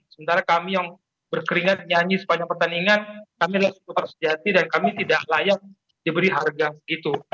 sementara kami yang berkeringat nyanyi sepanjang pertandingan kami adalah supporter sejati dan kami tidak layak diberi harga segitu